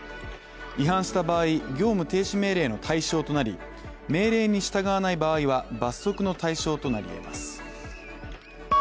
違反した場合業務停止命令の対象となり、命令に従わない場合は罰則の対象となりえます